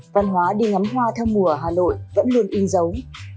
văn hóa đi ngắm hoa theo mùa ở hà nội vẫn luôn yên giấu